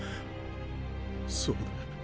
そうだ。